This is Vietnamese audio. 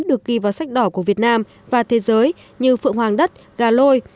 được ghi vào sách đỏ của việt nam và thế giới như phượng hoàng đất gà lôi